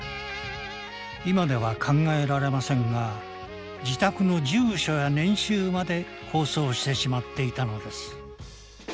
今では考えられませんが自宅の住所や年収まで放送してしまっていたのです。